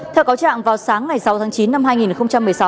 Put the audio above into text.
theo cáo trạng vào sáng ngày sáu tháng chín năm hai nghìn một mươi sáu